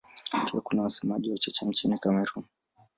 Pia kuna wasemaji wachache nchini Kamerun.